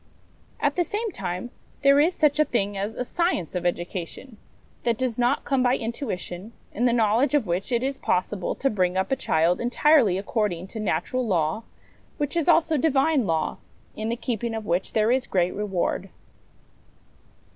At the same time, there is such a thing as a science of education, that does not come by intuition, in the knowledge of which it is possible to bring up a child entirely according to natural law, which is also Divine law, in the keeping of which there is great reward.